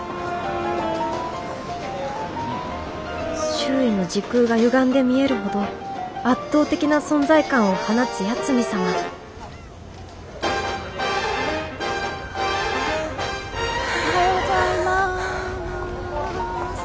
周囲の時空がゆがんで見えるほど圧倒的な存在感を放つ八海サマおはようございます。